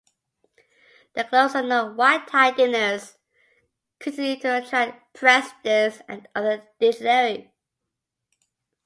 The Club's annual white-tie dinners continue to attract presidents and other dignitaries.